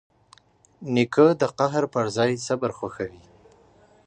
نیکه د قهر پر ځای صبر خوښوي.